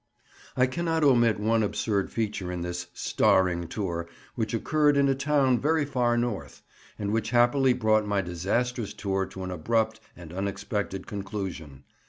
I cannot omit one absurd feature in this "starring" tour which occurred in a town very far north, and which happily brought my disastrous tour to an abrupt and unexpected conclusion.